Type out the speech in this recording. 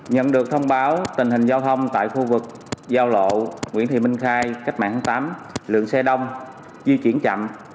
nhận được thông báo tình hình giao thông tại khu vực giao lộ nguyễn thị minh khai cách mạng tháng tám lượng xe đông di chuyển chậm